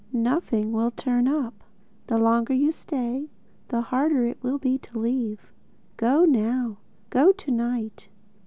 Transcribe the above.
Nothing will 'turn up.' The longer you stay, the harder it will be to leave—Go now. Go to night."